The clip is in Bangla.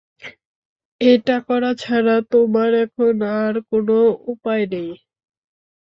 এটা করা ছাড়া তোমার এখন আর কোন উপায় নেই।